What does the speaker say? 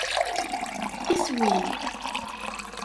Iswi!